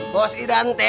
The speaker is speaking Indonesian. bos idan teh